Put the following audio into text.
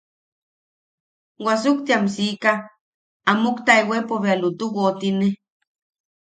Wasuktiam sika, a muktaewaipo bea lutu woʼotine.